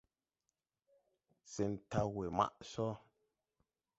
Sɛn taw we maʼ sɔ.